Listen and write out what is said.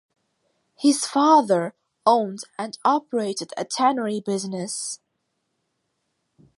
His father owned and operated a tannery business.